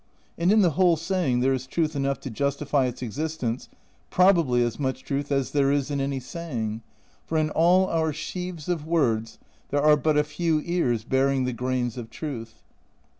And in the whole saying there is truth enough to justify its existence, probably as much truth as there is in any saying, for in all our sheaves of words there are but a few ears bearing the grains of truth.